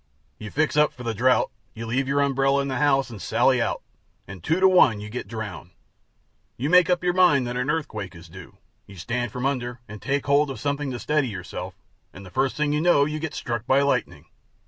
You fix up for the drought; you leave your umbrella in the house and sally out, and two to one you get drowned. You make up your mind that the earthquake is due; you stand from under, and take hold of something to steady yourself, and the first thing you know you get struck by lightning.